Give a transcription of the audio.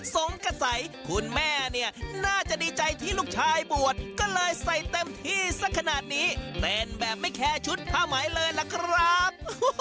สงสัยคุณแม่เนี่ยน่าจะดีใจที่ลูกชายบวชก็เลยใส่เต็มที่สักขนาดนี้เต้นแบบไม่แคร์ชุดผ้าไหมเลยล่ะครับ